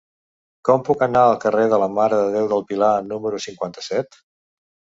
Com puc anar al carrer de la Mare de Déu del Pilar número cinquanta-set?